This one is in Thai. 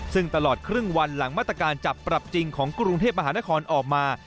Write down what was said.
ซึ่งตลอดครึ่งวันหลังมาตรการจับปรับจริงของกรุงเทพมหานครออกมา